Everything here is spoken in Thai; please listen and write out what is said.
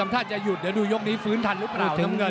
โอ้โหโอ้โหโอ้โห